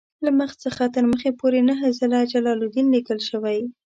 له مخ څخه تر مخ پورې نهه ځله جلالدین لیکل شوی.